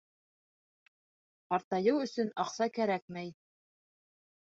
Ҡартайыу өсөн аҡса кәрәкмәй.